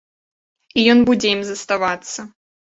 І ён будзе ім заставацца!